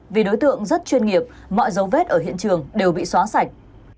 vì đối tượng rất chuyên nghiệp mọi dấu vết ở hiện trường đều bị xóa sạch